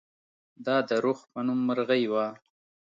دا د رخ په نوم مرغۍ وه.